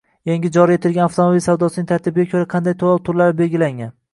Yangi joriy etilgan avtomobil savdosining tartibiga ko‘ra qanday to‘lov turlari belgilangan?